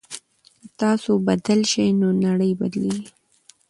که تاسو بدل شئ نو نړۍ بدليږي.